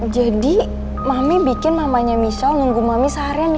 jadi mami bikin mamanya michelle nunggu mami seharian ya